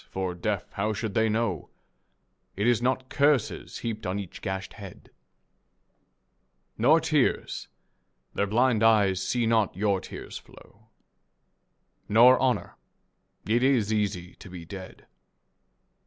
For, deaf, how should they know It is not curses heaped on each gashed head ? Nor tears. Their blind eyes see not your tears flow. Nor honour. It is easy to be dead.